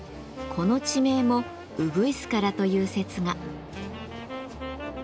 この地名もうぐいすからという説が。